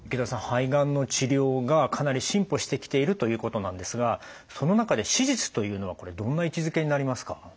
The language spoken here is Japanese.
肺がんの治療がかなり進歩してきているということなんですがその中で手術というのはこれどんな位置づけになりますか？